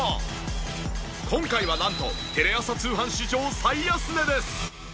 今回はなんとテレ朝通販史上最安値です。